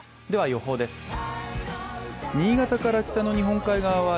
では、予報です。